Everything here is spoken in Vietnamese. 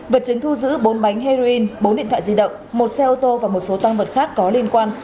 vật chứng thu giữ bốn bánh heroin bốn điện thoại di động một xe ô tô và một số tàu